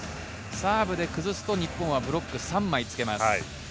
サーブで崩すと日本はブロック３枚つけます。